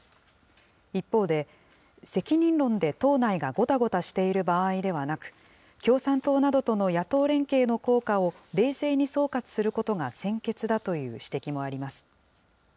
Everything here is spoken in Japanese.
一方で、責任論で党内がごたごたしている場合ではなく、共産党などとの野党連携の効果を冷静に総括することが先決だという指摘もあります。